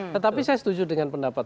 tetapi saya setuju dengan pendapat